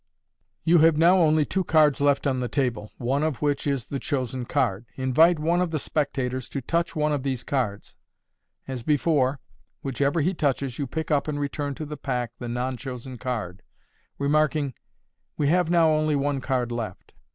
MODERN MAGIC. You have now only two cards left on the table, one of which is the chosen card. Invite one of the spectators to touch one of these cards. As before, whichever he touches, you pick up and return to the pack the non chosen card, remarking, " We have now only one card left.